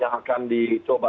yang akan dicoba